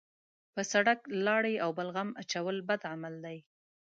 په سړک لاړې او بلغم اچول بد عمل دی.